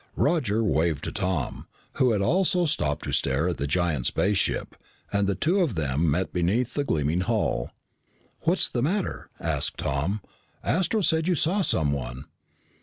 Roger waved to Tom, who had also stopped to stare at the giant spaceship, and the two of them met beneath the gleaming hull. "What's the matter?" asked Tom. "Astro said you saw someone."